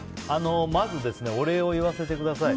まずお礼を言わせてください。